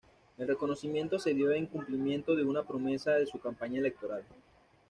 El reconocimiento se dio en cumplimiento de una promesa de su campaña electoral.